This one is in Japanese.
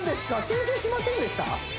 緊張しませんでした？